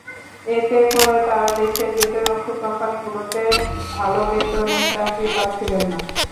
এতে করে তাঁরা দেশের ভেতর ওষুধ কোম্পানিগুলোতে ভালো বেতনে চাকরি পাচ্ছিলেন না।